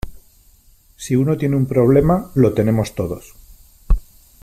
si uno tiene un problema , lo tenemos todos .